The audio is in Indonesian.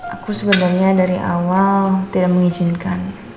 aku sebenarnya dari awal tidak mengizinkan